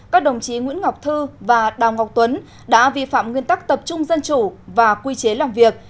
các đồng chí nguyễn ngọc thư và đào ngọc tuấn đã vi phạm nguyên tắc tập trung dân chủ và quy chế làm việc